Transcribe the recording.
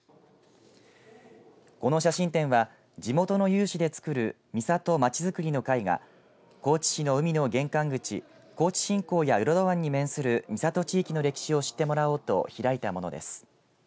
この写真展は地元の有志でつくる三里まちづくりの会が高知市の海の玄関口高知新港や浦戸湾に面する三里地域の歴史を知ってもらおうと開いたものです。